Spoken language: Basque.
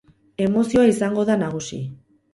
Emozioa izango da nagusi.